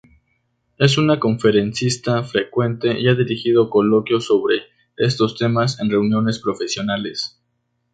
Es una conferencista frecuente y ha dirigido coloquios sobre estos temas en reuniones profesionales.